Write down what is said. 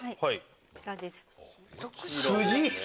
こちらですね。